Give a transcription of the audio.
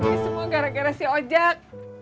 ini semua gara gara si ojek